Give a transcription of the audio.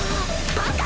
バカ！